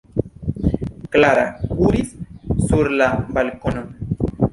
Klara kuris sur la balkonon.